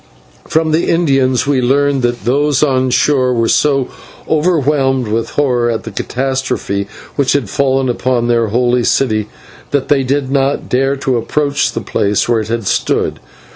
From the Indians we learned that those on shore were so overwhelmed with horror at the catastrophe which had fallen upon their holy city, that they did not dare to approach the place where it had stood.